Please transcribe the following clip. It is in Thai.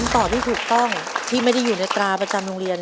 ตอบที่ถูกต้องที่ไม่ได้อยู่ในตราประจำโรงเรียน